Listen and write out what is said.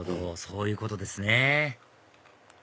そういうことですね